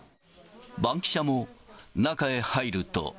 バンキシャも、中へ入ると。